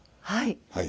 はい。